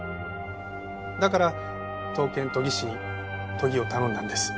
だから刀剣研ぎ師に研ぎを頼んだんです。